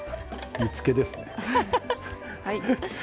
煮つけですね。